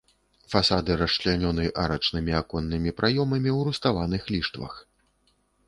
Фасады расчлянёны арачнымі аконнымі праёмамі ў руставаных ліштвах.